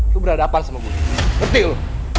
lu berhadapan sama gue ngerti lu